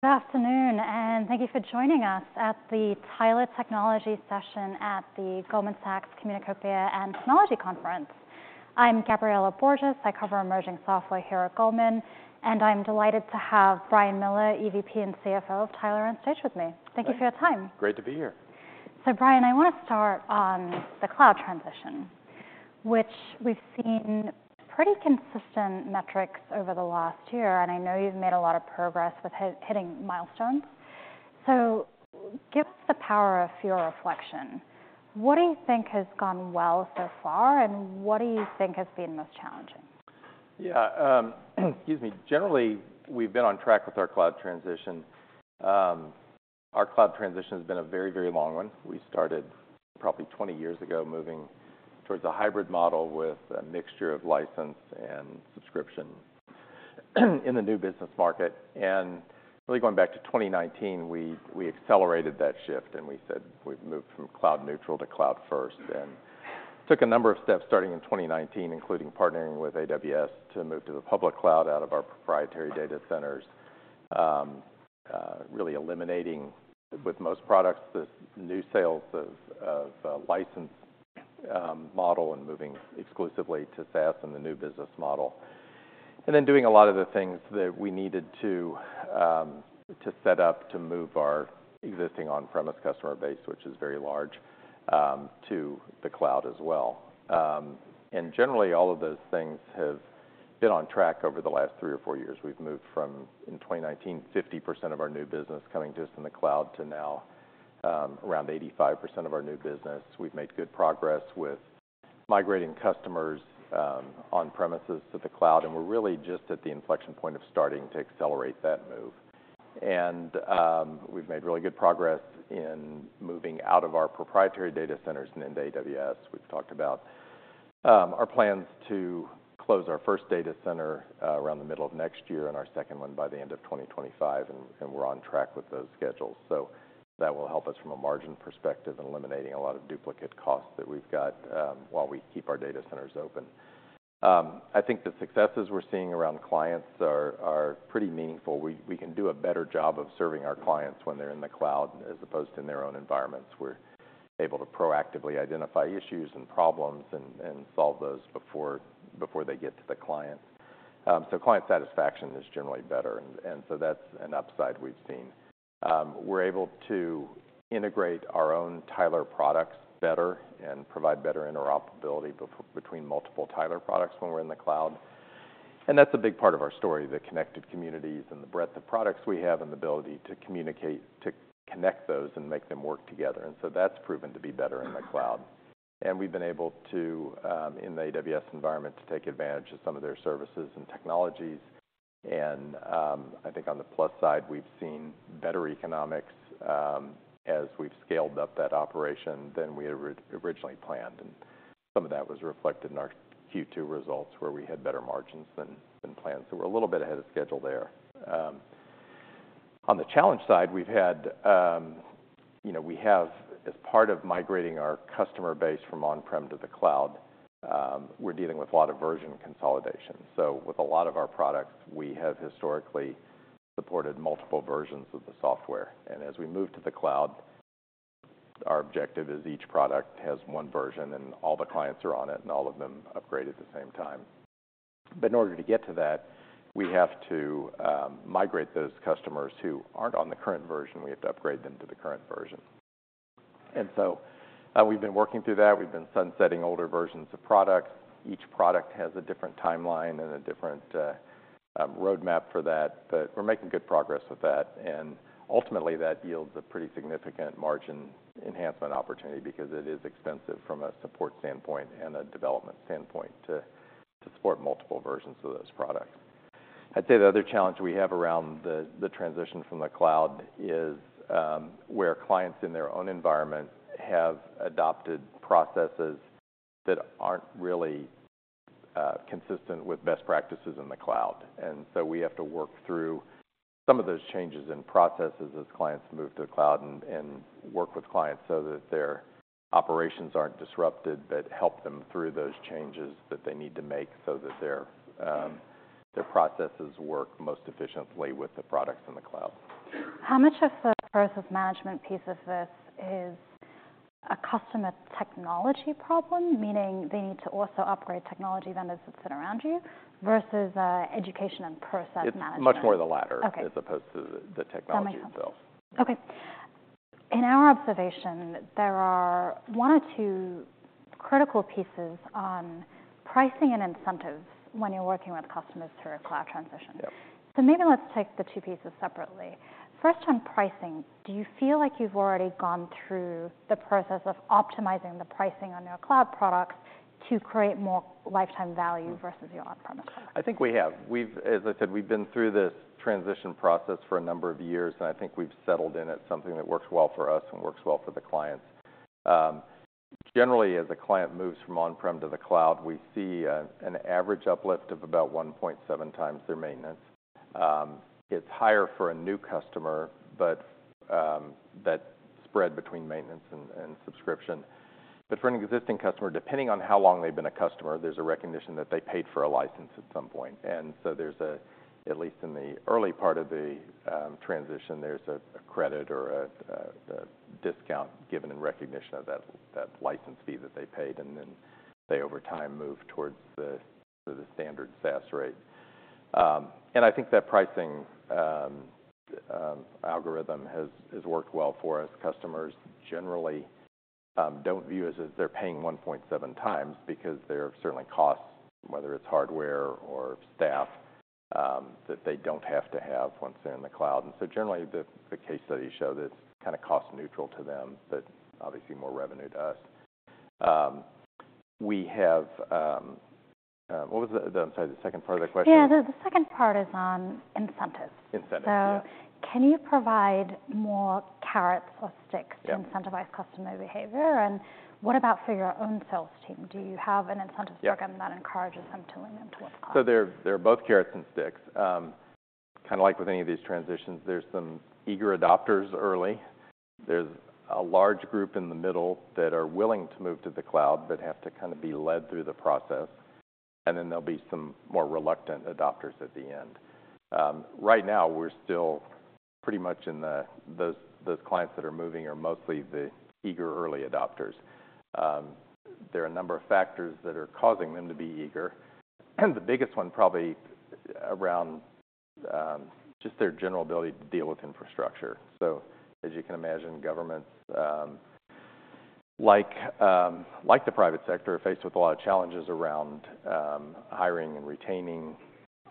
Good afternoon, and thank you for joining us at the Tyler Technologies session at the Goldman Sachs Communacopia and Technology Conference. I'm Gabriela Borges. I cover emerging software here at Goldman, and I'm delighted to have Brian Miller, EVP and CFO of Tyler, on stage with me. Thank you for your time. Great to be here. So Brian, I want to start on the cloud transition, which we've seen pretty consistent metrics over the last year, and I know you've made a lot of progress with hitting milestones. So give us the power of your reflection. What do you think has gone well so far, and what do you think has been most challenging? Yeah, excuse me. Generally, we've been on track with our cloud transition. Our cloud transition has been a very, very long one. We started probably 20 years ago, moving towards a hybrid model with a mixture of license and subscription, in the new business market. And really going back to 2019, we accelerated that shift and we said we've moved from cloud neutral to cloud first, and took a number of steps starting in 2019, including partnering with AWS to move to the public cloud out of our proprietary data centers. Really eliminating, with most products, the new sales of license model and moving exclusively to SaaS and the new business model. Then doing a lot of the things that we needed to, to set up to move our existing on-premises customer base, which is very large, to the cloud as well. Generally, all of those things have been on track over the last three or four years. We've moved from, in 2019, 50% of our new business coming just in the cloud, to now, around 85% of our new business. We've made good progress with migrating customers, on-premises to the cloud, and we're really just at the inflection point of starting to accelerate that move. We've made really good progress in moving out of our proprietary data centers and into AWS. We've talked about our plans to close our first data center around the middle of next year and our second one by the end of 2025, and we're on track with those schedules. So that will help us from a margin perspective and eliminating a lot of duplicate costs that we've got while we keep our data centers open. I think the successes we're seeing around clients are pretty meaningful. We can do a better job of serving our clients when they're in the cloud, as opposed to in their own environments. We're able to proactively identify issues and problems and solve those before they get to the clients. So client satisfaction is generally better, and so that's an upside we've seen. We're able to integrate our own Tyler products better and provide better interoperability between multiple Tyler products when we're in the cloud. That's a big part of our story, the Connected Communities and the breadth of products we have, and the ability to communicate to connect those and make them work together. So that's proven to be better in the cloud. We've been able to, in the AWS environment, to take advantage of some of their services and technologies. I think on the plus side, we've seen better economics as we've scaled up that operation than we originally planned, and some of that was reflected in our Q2 results, where we had better margins than planned. So we're a little bit ahead of schedule there. On the challenge side, we've had, you know, we have, as part of migrating our customer base from on-prem to the cloud, we're dealing with a lot of version consolidation. So with a lot of our products, we have historically supported multiple versions of the software, and as we move to the cloud, our objective is each product has one version, and all the clients are on it, and all of them upgrade at the same time. But in order to get to that, we have to migrate those customers who aren't on the current version, we have to upgrade them to the current version. And so, we've been working through that. We've been sunsetting older versions of products. Each product has a different timeline and a different roadmap for that, but we're making good progress with that. Ultimately, that yields a pretty significant margin enhancement opportunity because it is expensive from a support standpoint and a development standpoint to support multiple versions of those products. I'd say the other challenge we have around the transition from the cloud is where clients in their own environment have adopted processes that aren't really consistent with best practices in the cloud. And so we have to work through some of those changes in processes as clients move to the cloud and work with clients so that their operations aren't disrupted, but help them through those changes that they need to make so that their processes work most efficiently with the products in the cloud. How much of the process management piece of this is a customer technology problem, meaning they need to also upgrade technology vendors that sit around you, versus education and process management? It's much more the latter as opposed to the technology itself. That makes sense. Okay. In our observation, there are one or two critical pieces on pricing and incentives when you're working with customers through a cloud transition. Maybe let's take the two pieces separately. First, on pricing, do you feel like you've already gone through the process of optimizing the pricing on your cloud products to create more lifetime value versus your on-premises? I think we have. We've... As I said, we've been through this transition process for a number of years, and I think we've settled in at something that works well for us and works well for the clients. Generally, as a client moves from on-prem to the cloud, we see an average uplift of about 1.7x their maintenance. It's higher for a new customer, that spread between maintenance and subscription. For an existing customer, depending on how long they've been a customer, there's a recognition that they paid for a license at some point. There's at least in the early part of the transition, a credit or a discount given in recognition of that license fee that they paid, and then they over time move towards the standard SaaS rate. And I think that pricing algorithm has worked well for us. Customers generally don't view it as they're paying 1.7 times because there are certainly costs, whether it's hardware or staff, that they don't have to have once they're in the cloud. And so generally, the case studies show that it's kind of cost neutral to them, but obviously more revenue to us. What was the, I'm sorry, the second part of the question? Yeah, the second part is on incentives. Incentives, yeah. Can you provide more carrots or sticks to incentivize customer behavior? And what about for your own sales team? Do you have an incentive program that encourages them to lean towards cloud? So there are both carrots and sticks. Kind of like with any of these transitions, there's some eager adopters early. There's a large group in the middle that are willing to move to the cloud, but have to kind of be led through the process, and then there'll be some more reluctant adopters at the end. Right now, we're still pretty much in the... Those clients that are moving are mostly the eager early adopters. There are a number of factors that are causing them to be eager, and the biggest one probably around just their general ability to deal with infrastructure. So as you can imagine, governments, like, like the private sector, are faced with a lot of challenges around hiring and retaining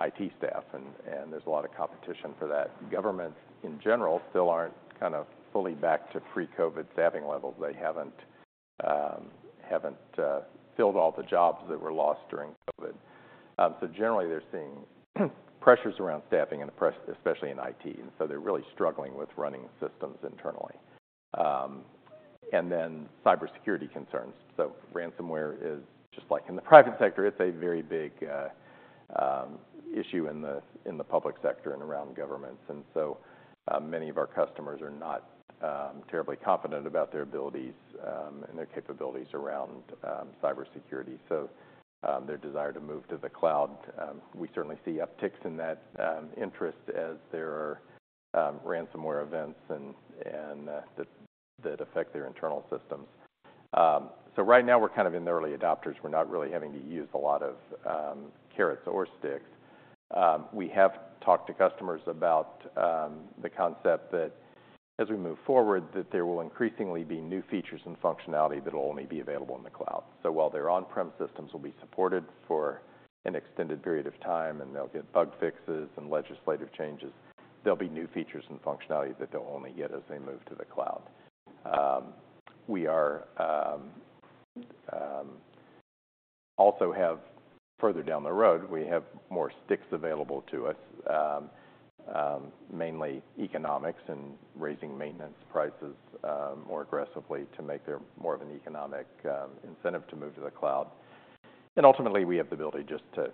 IT staff, and there's a lot of competition for that. Governments, in general, still aren't kind of fully back to pre-COVID staffing levels. They haven't filled all the jobs that were lost during COVID. So generally, they're seeing pressures around staffing and especially in IT, and so they're really struggling with running systems internally. And then cybersecurity concerns. So ransomware is, just like in the private sector, it's a very big issue in the public sector and around governments. And so many of our customers are not terribly confident about their abilities and their capabilities around cybersecurity. So their desire to move to the cloud, we certainly see upticks in that interest as there are ransomware events and that affect their internal systems. So right now, we're kind of in the early adopters. We're not really having to use a lot of carrots or sticks. We have talked to customers about the concept that as we move forward, that there will increasingly be new features and functionality that will only be available in the cloud. So while their on-prem systems will be supported for an extended period of time, and they'll get bug fixes and legislative changes, there'll be new features and functionality that they'll only get as they move to the cloud. Further down the road, we have more sticks available to us, mainly economics and raising maintenance prices more aggressively to make there more of an economic incentive to move to the cloud. Ultimately, we have the ability just to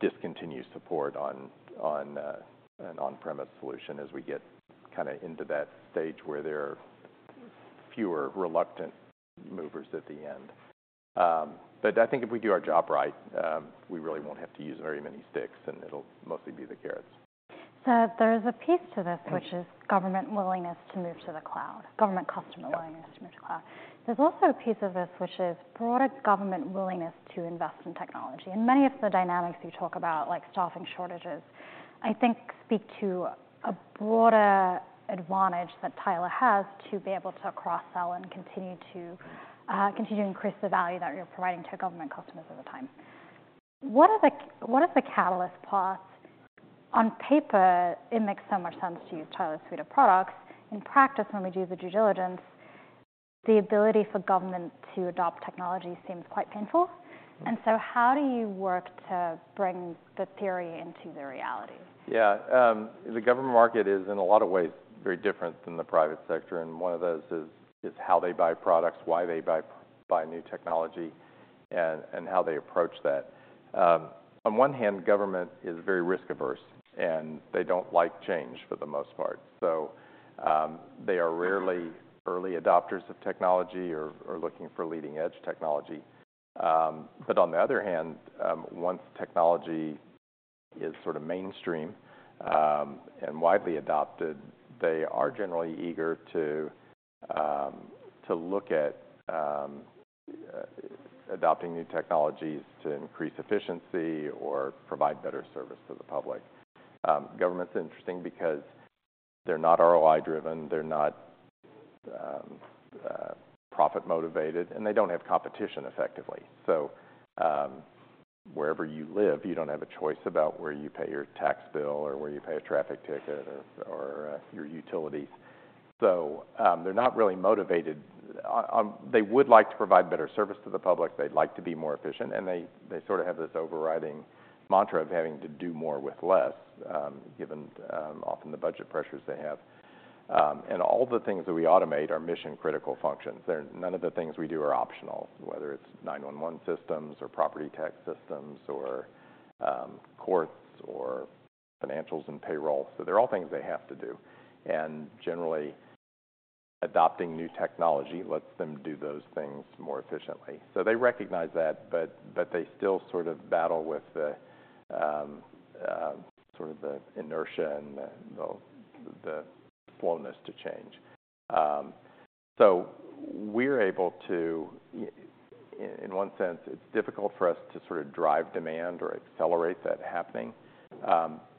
discontinue support on an on-premises solution as we get kinda into that stage where there are fewer reluctant movers at the end. But I think if we do our job right, we really won't have to use very many sticks, and it'll mostly be the carrots. There is a piece to this which is government willingness to move to the cloud, government customer willingness to move to cloud. There's also a piece of this, which is broader government willingness to invest in technology. And many of the dynamics you talk about, like staffing shortages, I think speak to a broader advantage that Tyler has to be able to cross-sell and continue to continue to increase the value that you're providing to government customers at the time. What is the catalyst path? On paper, it makes so much sense to use Tyler's suite of products. In practice, when we do the due diligence, the ability for government to adopt technology seems quite painful. How do you work to bring the theory into the reality? Yeah, the government market is in a lot of ways very different than the private sector, and one of those is how they buy products, why they buy new technology, and how they approach that. On one hand, government is very risk-averse, and they don't like change for the most part. So, they are rarely early adopters of technology or looking for leading-edge technology. But on the other hand, once technology is sort of mainstream and widely adopted, they are generally eager to look at adopting new technologies to increase efficiency or provide better service to the public. Government's interesting because they're not ROI-driven, they're not profit-motivated, and they don't have competition effectively. So, wherever you live, you don't have a choice about where you pay your tax bill or where you pay a traffic ticket or your utilities. So, they're not really motivated. They would like to provide better service to the public, they'd like to be more efficient, and they sort of have this overriding mantra of having to do more with less, given often the budget pressures they have. And all the things that we automate are mission-critical functions. They're... None of the things we do are optional.... whether it's 911 systems or property tax systems or courts or financials and payroll. So they're all things they have to do, and generally, adopting new technology lets them do those things more efficiently. So they recognize that, but they still sort of battle with the sort of inertia and the slowness to change. So we're able to, in one sense, it's difficult for us to sort of drive demand or accelerate that happening,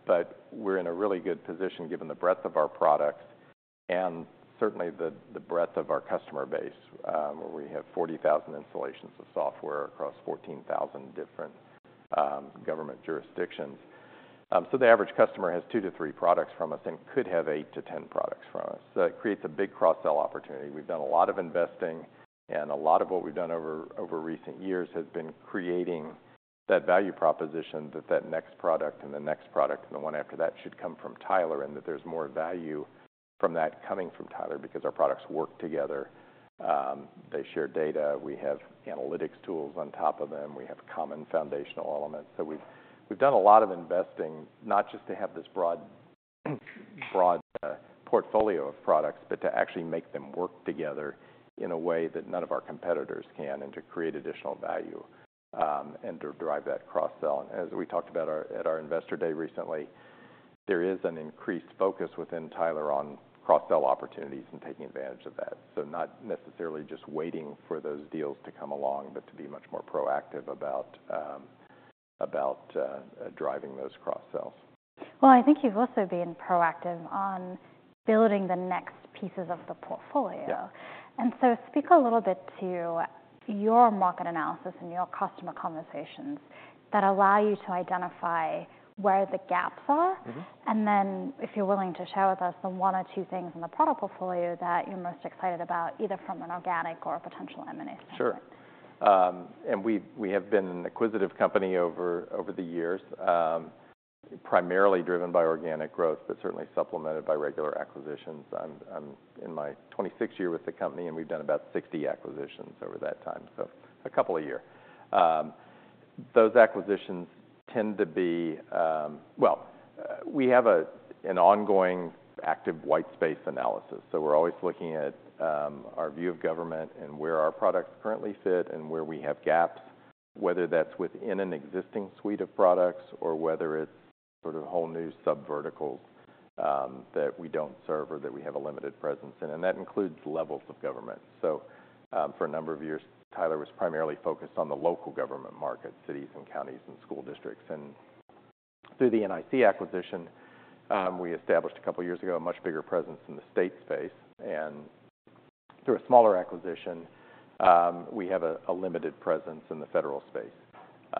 but we're in a really good position given the breadth of our products and certainly the breadth of our customer base, where we have 40,000 installations of software across 14,000 different government jurisdictions. So the average customer has 2-3 products from us and could have 8-10 products from us. So that creates a big cross-sell opportunity. We've done a lot of investing, and a lot of what we've done over recent years has been creating that value proposition, that next product and the next product, and the one after that should come from Tyler, and that there's more value from that coming from Tyler because our products work together. They share data. We have analytics tools on top of them. We have common foundational elements. So we've done a lot of investing, not just to have this broad portfolio of products, but to actually make them work together in a way that none of our competitors can, and to create additional value, and to drive that cross-sell. As we talked about at our Investor Day recently, there is an increased focus within Tyler on cross-sell opportunities and taking advantage of that. So not necessarily just waiting for those deals to come along, but to be much more proactive about driving those cross-sells. Well, I think you've also been proactive on building the next pieces of the portfolio. Speak a little bit to your market analysis and your customer conversations that allow you to identify where the gaps are. Then, if you're willing to share with us, the one or two things in the product portfolio that you're most excited about, either from an organic or a potential M&A perspective? Sure. And we have been an acquisitive company over the years, primarily driven by organic growth, but certainly supplemented by regular acquisitions. I'm in my 26th year with the company, and we've done about 60 acquisitions over that time, so a couple a year. Those acquisitions tend to be... Well, we have an ongoing active white space analysis, so we're always looking at our view of government and where our products currently fit and where we have gaps, whether that's within an existing suite of products or whether it's sort of whole new subverticals that we don't serve or that we have a limited presence in, and that includes levels of government. So, for a number of years, Tyler was primarily focused on the local government market, cities and counties and school districts. And through the NIC acquisition, we established a couple of years ago, a much bigger presence in the state space, and through a smaller acquisition, we have a limited presence in the federal space.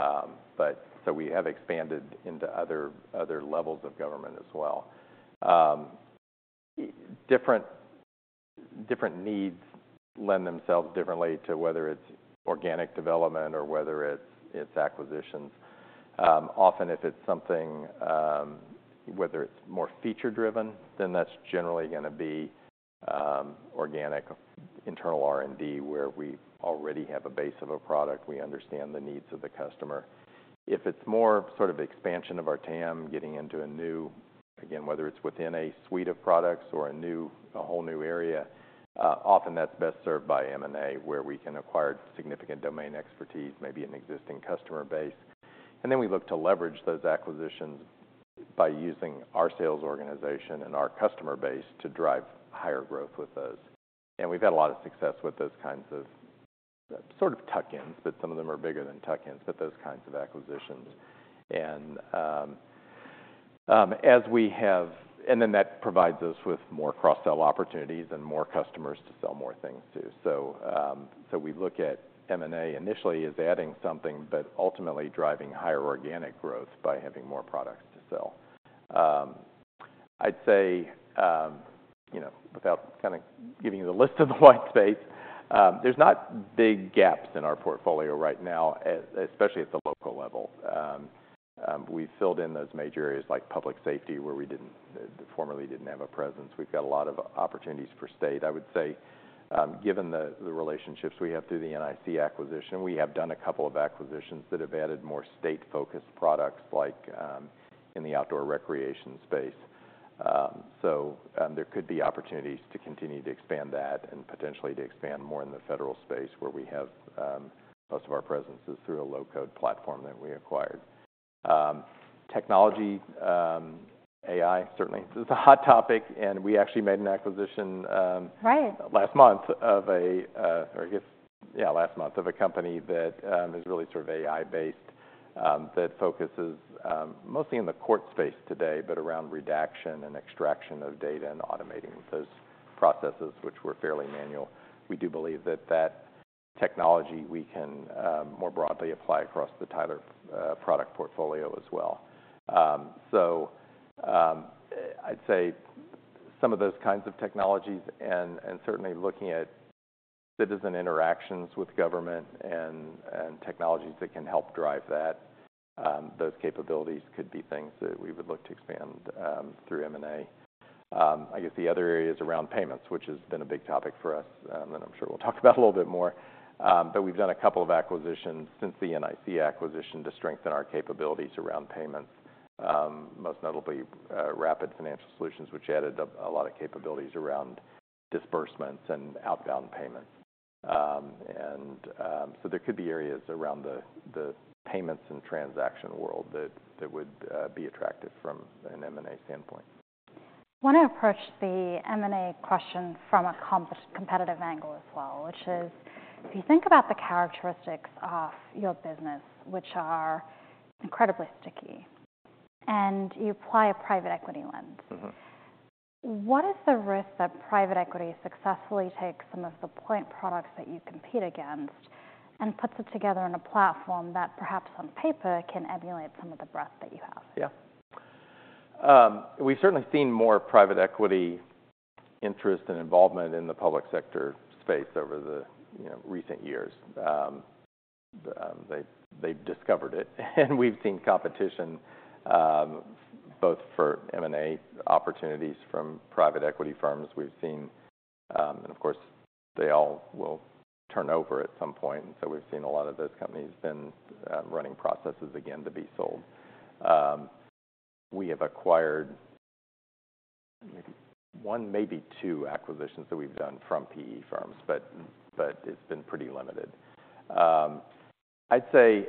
But so we have expanded into other levels of government as well. Different needs lend themselves differently to whether it's organic development or whether it's acquisitions. Often, if it's something, whether it's more feature driven, then that's generally gonna be organic, internal R&D, where we already have a base of a product, we understand the needs of the customer. If it's more sort of expansion of our TAM, getting into a new-- again, whether it's within a suite of products or a new, a whole new area, often that's best served by M&A, where we can acquire significant domain expertise, maybe an existing customer base. We look to leverage those acquisitions by using our sales organization and our customer base to drive higher growth with those. We've had a lot of success with those kinds of, sort of, tuck-ins, but some of them are bigger than tuck-ins, but those kinds of acquisitions. That provides us with more cross-sell opportunities and more customers to sell more things to. We look at M&A initially as adding something, but ultimately driving higher organic growth by having more products to sell. I'd say, you know, without kind of giving you the list of the white space, there's not big gaps in our portfolio right now, especially at the local level. We've filled in those major areas like public safety, where we formerly didn't have a presence. We've got a lot of opportunities for state. I would say, given the relationships we have through the NIC acquisition, we have done a couple of acquisitions that have added more state-focused products, like, in the outdoor recreation space. So, there could be opportunities to continue to expand that and potentially to expand more in the federal space, where we have most of our presence is through a low-code platform that we acquired. Technology, AI, certainly. This is a hot topic, and we actually made an acquisition. Right. Last month of a company that is really sort of AI-based that focuses mostly in the court space today, but around redaction and extraction of data and automating those processes, which were fairly manual. We do believe that that technology we can more broadly apply across the Tyler product portfolio as well. So I'd say some of those kinds of technologies and certainly looking at citizen interactions with government and technologies that can help drive that those capabilities could be things that we would look to expand through M&A. I guess the other area is around payments, which has been a big topic for us, and I'm sure we'll talk about a little bit more. We've done a couple of acquisitions since the NIC acquisition to strengthen our capabilities around payments. Most notably, Rapid Financial Solutions, which added a lot of capabilities around disbursements and outbound payments. So there could be areas around the payments and transaction world that would be attractive from an M&A standpoint. I want to approach the M&A question from a competitive angle as well, which is, if you think about the characteristics of your business, which are incredibly sticky, and you apply a private equity lens. What is the risk that private equity successfully takes some of the point products that you compete against and puts it together in a platform that perhaps on paper, can emulate some of the breadth that you have? Yeah. We've certainly seen more private equity interest and involvement in the public sector space over the, you know, recent years. They've discovered it, and we've seen competition both for M&A opportunities from private equity firms. We've seen... And of course, they all will turn over at some point, and so we've seen a lot of those companies then running processes again to be sold. We have acquired maybe one, maybe two acquisitions that we've done from PE firms, but it's been pretty limited. I'd say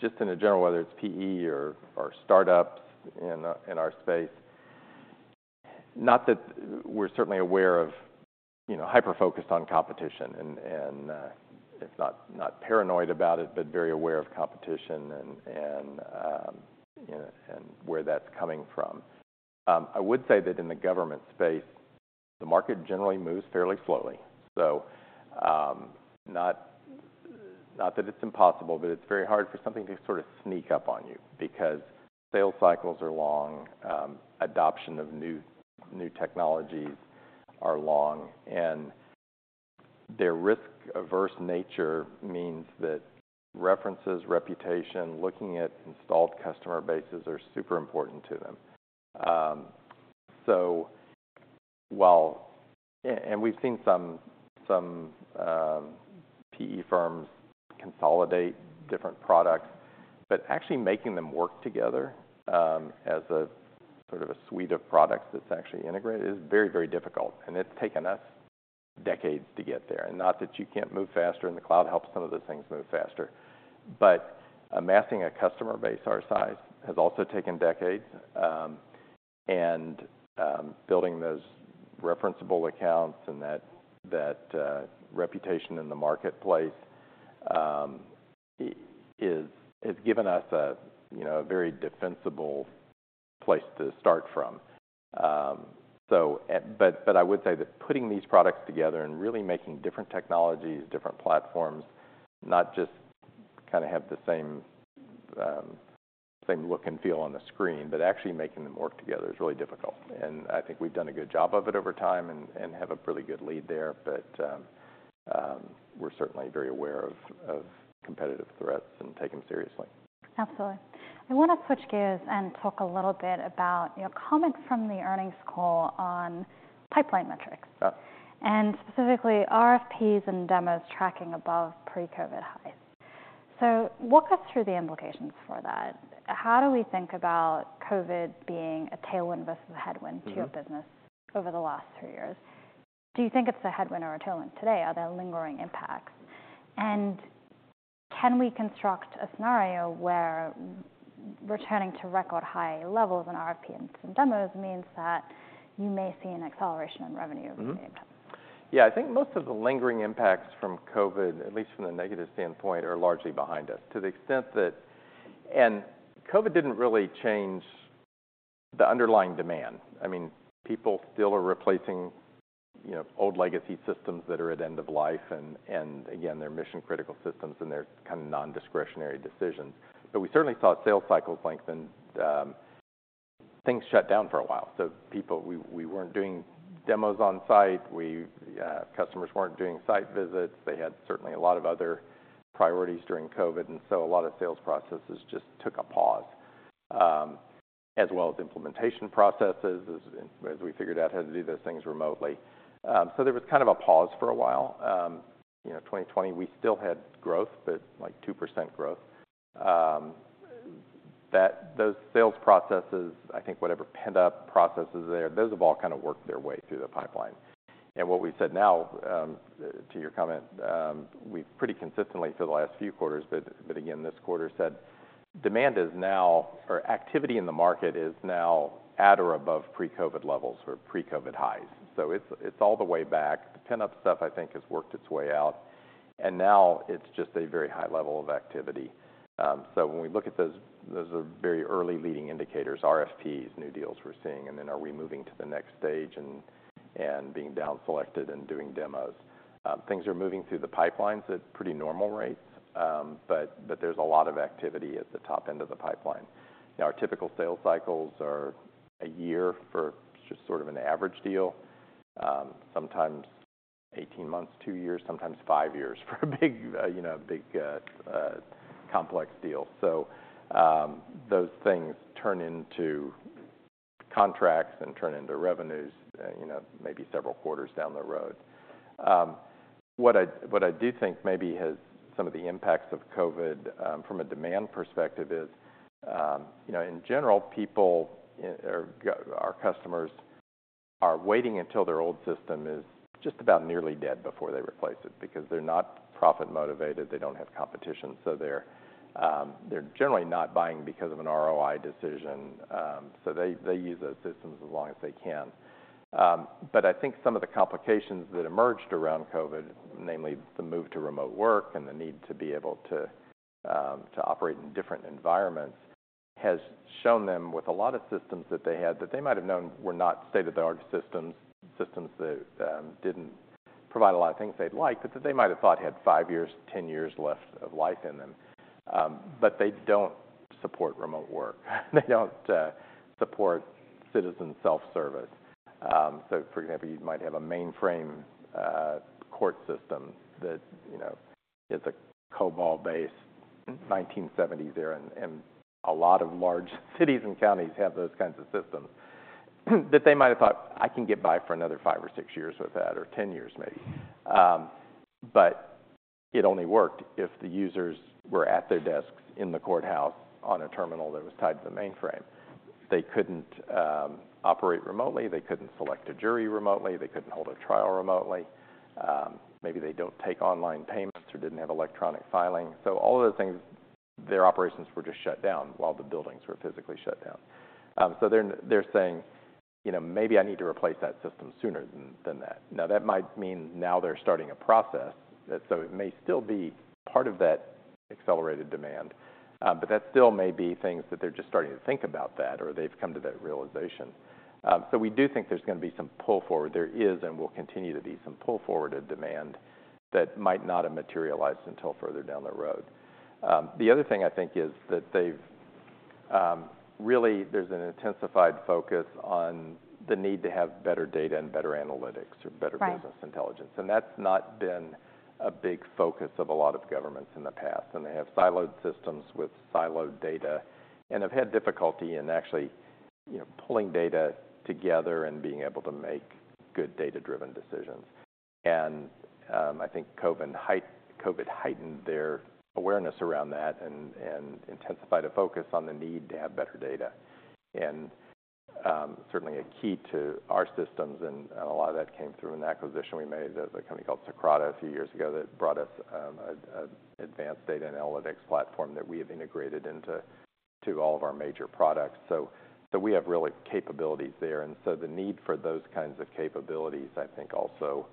just in a general, whether it's PE or startups in our space, not that we're certainly aware of, you know, hyper-focused on competition and if not, not paranoid about it, but very aware of competition and, you know, and where that's coming from. I would say that in the government space, the market generally moves fairly slowly. Not that it's impossible, but it's very hard for something to sort of sneak up on you because sales cycles are long, adoption of new, new technologies are long, and their risk-averse nature means that references, reputation, looking at installed customer bases are super important to them. While-- And we've seen some, some PE firms consolidate different products, but actually making them work together as a sort of a suite of products that's actually integrated is very, very difficult, and it's taken us decades to get there. Not that you can't move faster, and the cloud helps some of those things move faster, but amassing a customer base our size has also taken decades. And building those referenceable accounts and that reputation in the marketplace has given us, you know, a very defensible place to start from. But I would say that putting these products together and really making different technologies, different platforms, not just kind of have the same look and feel on the screen, but actually making them work together is really difficult. And I think we've done a good job of it over time and have a pretty good lead there, but we're certainly very aware of competitive threats and take them seriously. Absolutely. I want to switch gears and talk a little bit about your comment from the earnings call on pipeline metrics and specifically RFPs and demos tracking above pre-COVID highs. So walk us through the implications for that. How do we think about COVID being a tailwind versus a headwind to your business over the last three years? Do you think it's a headwind or a tailwind today? Are there lingering impacts? And can we construct a scenario where returning to record high levels in RFP and some demos means that you may see an acceleration in revenue over time? Yeah, I think most of the lingering impacts from COVID, at least from the negative standpoint, are largely behind us. To the extent that... And COVID didn't really change the underlying demand. I mean, people still are replacing, you know, old legacy systems that are at end of life, and again, they're mission-critical systems, and they're kind of non-discretionary decisions. But we certainly saw sales cycles lengthen. Things shut down for a while, so we weren't doing demos on site. Customers weren't doing site visits. They had certainly a lot of other priorities during COVID, and so a lot of sales processes just took a pause, as well as implementation processes, as we figured out how to do those things remotely. So there was kind of a pause for a while. You know, 2020, we still had growth, but like 2% growth. Those sales processes, I think whatever pent-up processes there, those have all kind of worked their way through the pipeline. And what we've said now, to your comment, we've pretty consistently for the last few quarters, but, but again, this quarter, said demand is now, or activity in the market is now at or above pre-COVID levels or pre-COVID highs. So it's, it's all the way back. The pent-up stuff, I think, has worked its way out, and now it's just a very high level of activity. So when we look at those, those are very early leading indicators, RFPs, new deals we're seeing, and then are we moving to the next stage and, and being downselected and doing demos? Things are moving through the pipelines at pretty normal rates, but there's a lot of activity at the top end of the pipeline. Now, our typical sales cycles are a year for just sort of an average deal. Sometimes 18 months, two years, sometimes five years for a big, you know, big complex deal. So, those things turn into contracts and turn into revenues, you know, maybe several quarters down the road. What I do think maybe has some of the impacts of COVID, from a demand perspective is, you know, in general, our customers are waiting until their old system is just about nearly dead before they replace it, because they're not profit-motivated, they don't have competition, so they're generally not buying because of an ROI decision. So they, they use those systems as long as they can. But I think some of the complications that emerged around COVID, namely the move to remote work and the need to be able to, to operate in different environments, has shown them with a lot of systems that they had, that they might have known were not state-of-the-art systems, systems that, didn't provide a lot of things they'd like, but that they might have thought had 5 years, 10 years left of life in them. But they don't support remote work. They don't, support citizen self-service. So for example, you might have a mainframe, court system that, you know, is a COBOL-based, 1970 era, and, and a lot of large cities and counties have those kinds of systems. That they might have thought, "I can get by for another five or six years with that, or 10 years, maybe." But it only worked if the users were at their desks in the courthouse on a terminal that was tied to the mainframe. They couldn't operate remotely, they couldn't select a jury remotely, they couldn't hold a trial remotely, maybe they don't take online payments or didn't have electronic filing. So all of those things, their operations were just shut down while the buildings were physically shut down. So they're saying, "You know, maybe I need to replace that system sooner than that." Now, that might mean now they're starting a process. That so it may still be part of that accelerated demand, but that still may be things that they're just starting to think about that, or they've come to that realization. So we do think there's gonna be some pull forward. There is and will continue to be some pull-forwarded demand that might not have materialized until further down the road. The other thing I think is that they've... Really, there's an intensified focus on the need to have better data and better analytics or better- business intelligence. That's not been a big focus of a lot of governments in the past, and they have siloed systems with siloed data, and have had difficulty in actually, you know, pulling data together and being able to make good data-driven decisions. I think COVID heightened their awareness around that and intensified a focus on the need to have better data. Certainly a key to our systems, and a lot of that came through an acquisition we made as a company called Socrata a few years ago, that brought us a advanced data and analytics platform that we have integrated into all of our major products. So, we have real capabilities there, and so the need for those kinds of capabilities, I think, also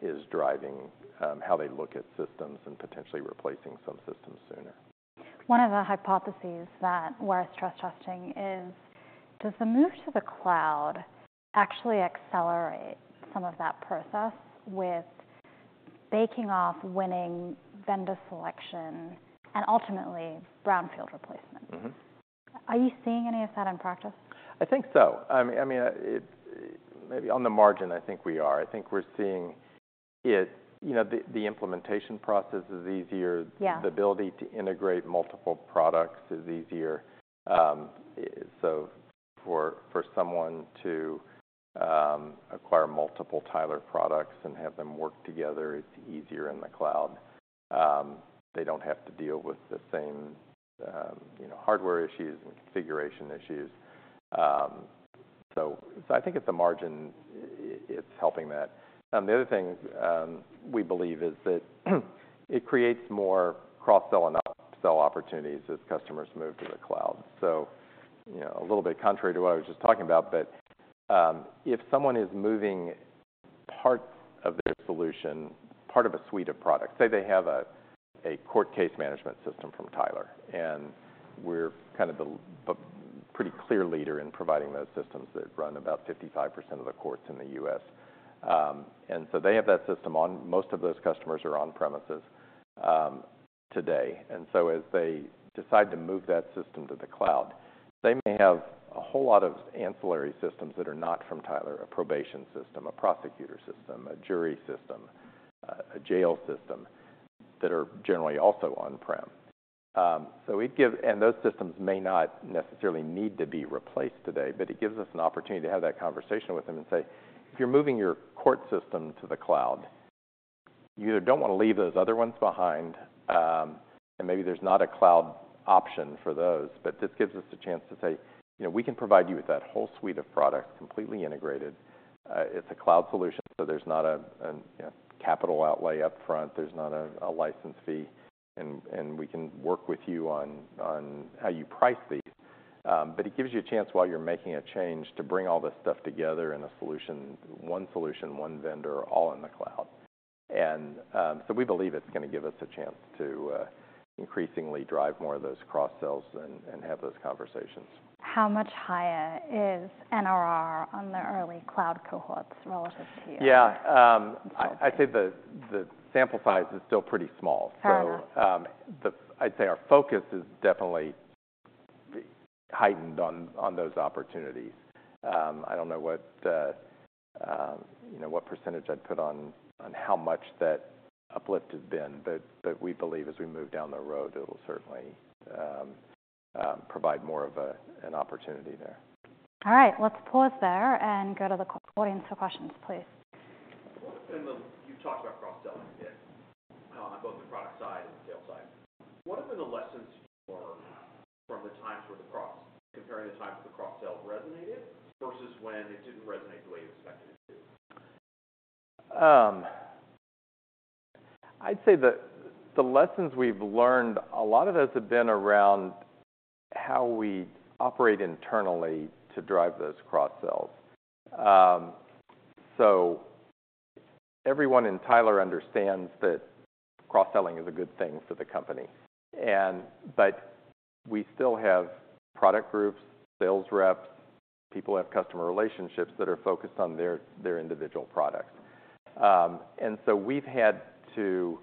is driving how they look at systems and potentially replacing some systems sooner. One of the hypotheses that we're stress testing is: Does the move to the cloud actually accelerate some of that process with bake-off winning vendor selection and ultimately brownfield replacement? Are you seeing any of that in practice? I think so. I mean, I mean, it, maybe on the margin, I think we are. I think we're seeing it... You know, the implementation process is easier. Yeah. The ability to integrate multiple products is easier. So for someone to acquire multiple Tyler products and have them work together, it's easier in the cloud. They don't have to deal with the same, you know, hardware issues and configuration issues. So I think at the margin, it's helping that. The other thing we believe is that it creates more cross-sell and up-sell opportunities as customers move to the cloud. So, you know, a little bit contrary to what I was just talking about, but if someone is moving part of their solution, part of a suite of products... Say they have a court case management system from Tyler, and we're kind of the pretty clear leader in providing those systems that run about 55% of the courts in the US. And so they have that system on-premises. Most of those customers are on-premises today. And so as they decide to move that system to the cloud, they may have a whole lot of ancillary systems that are not from Tyler, a probation system, a prosecutor system, a jury system, a jail system, that are generally also on-prem. So those systems may not necessarily need to be replaced today, but it gives us an opportunity to have that conversation with them and say, "If you're moving your court system to the cloud, you either don't want to leave those other ones behind, and maybe there's not a cloud option for those." But this gives us a chance to say, "You know, we can provide you with that whole suite of products, completely integrated. It's a cloud solution, so there's not a you know capital outlay upfront, there's not a license fee, and we can work with you on how you price these." But it gives you a chance, while you're making a change, to bring all this stuff together in a solution, one solution, one vendor, all in the cloud. So we believe it's gonna give us a chance to increasingly drive more of those cross-sells and have those conversations. How much higher is NRR on the early cloud cohorts relative to you? Yeah, I'd say the sample size is still pretty small. Fair enough. So, I'd say our focus is definitely heightened on those opportunities. I don't know what the, you know, what percentage I'd put on how much that uplift has been, but we believe as we move down the road, it'll certainly provide more of an opportunity there. All right, let's pause there and go to the audience for questions, please. Then you talked about cross-selling a bit, on both the product side and the sales side. What have been the lessons you learned from comparing the times where the cross-sell resonated versus when it didn't resonate the way you expected it to? I'd say that the lessons we've learned, a lot of those have been around how we operate internally to drive those cross-sells. So everyone in Tyler understands that cross-selling is a good thing for the company, but we still have product groups, sales reps, people who have customer relationships that are focused on their individual products. And so we've had to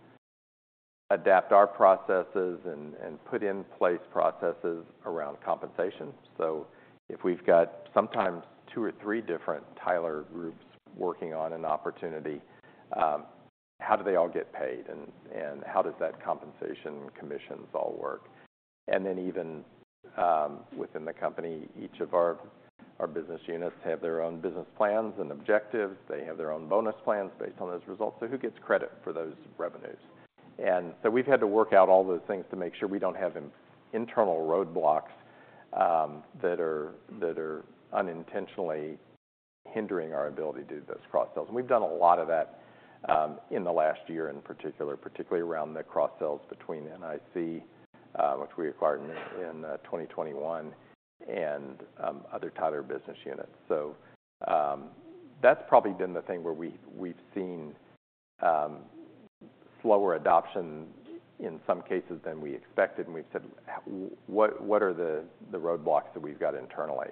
adapt our processes and put in place processes around compensation. So if we've got sometimes two or three different Tyler groups working on an opportunity, how do they all get paid? And how does that compensation, commissions all work? And then even within the company, each of our business units have their own business plans and objectives. They have their own bonus plans based on those results, so who gets credit for those revenues? And so we've had to work out all those things to make sure we don't have internal roadblocks that are unintentionally hindering our ability to do those cross-sells. And we've done a lot of that in the last year in particular, particularly around the cross-sells between NIC, which we acquired in 2021, and other Tyler business units. So, that's probably been the thing where we've seen slower adoption in some cases than we expected, and we've said, "What are the roadblocks that we've got internally?"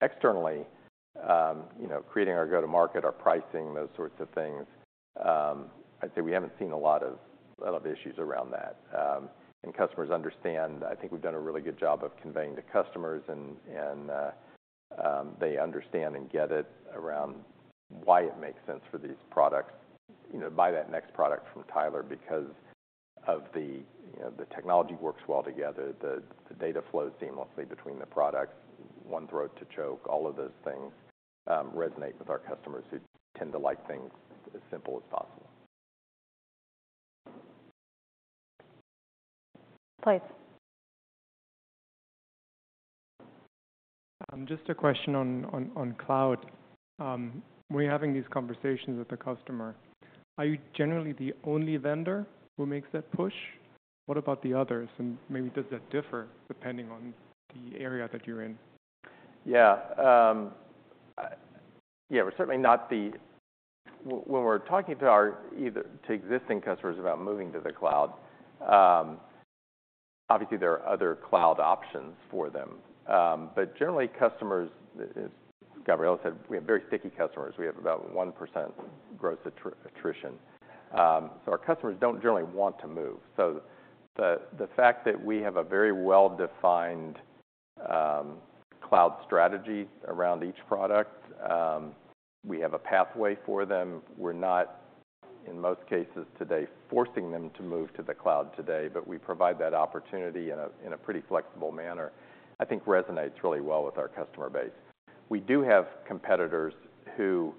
Externally, you know, creating our go-to-market, our pricing, those sorts of things, I'd say we haven't seen a lot of issues around that. And customers understand. I think we've done a really good job of conveying to customers they understand and get it around why it makes sense for these products. You know, buy that next product from Tyler because of the, you know, technology works well together, the data flows seamlessly between the products, one throat to choke. All of those things resonate with our customers, who tend to like things as simple as possible. Please. Just a question on cloud. When you're having these conversations with the customer, are you generally the only vendor who makes that push? What about the others? And maybe does that differ depending on the area that you're in? Yeah. Yeah, we're certainly not the... When we're talking to our existing customers about moving to the cloud, obviously there are other cloud options for them. But generally, customers, as Gabriela said, we have very sticky customers. We have about 1% gross attrition, so our customers don't generally want to move. So the fact that we have a very well-defined cloud strategy around each product, we have a pathway for them. We're not, in most cases today, forcing them to move to the cloud today, but we provide that opportunity in a pretty flexible manner, I think resonates really well with our customer base. We do have competitors who,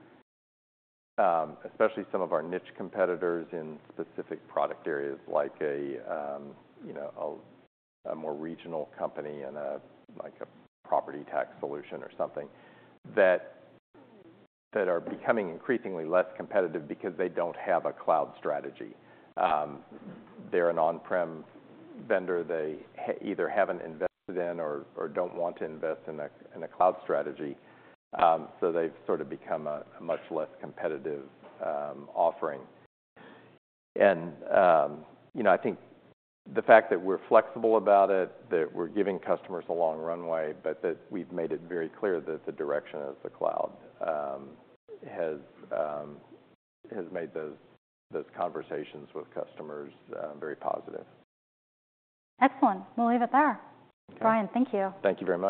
especially some of our niche competitors in specific product areas like, you know, a more regional company and, like, a property tax solution or something, that are becoming increasingly less competitive because they don't have a cloud strategy. They're an on-prem vendor. They either haven't invested in or don't want to invest in a cloud strategy, so they've sort of become a much less competitive offering. You know, I think the fact that we're flexible about it, that we're giving customers a long runway, but that we've made it very clear that the direction is the cloud, has made those conversations with customers very positive. Excellent. We'll leave it there. Brian, thank you. Thank you very much.